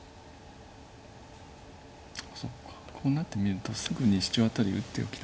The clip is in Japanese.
そっかこうなってみるとすぐにシチョウアタリ打っておきたかった。